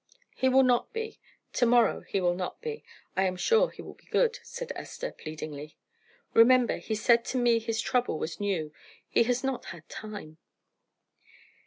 "He will not be. To morrow he will not be. I am sure he will be good," said Esther, pleadingly. "Remember he said to me his trouble was new he has not had time."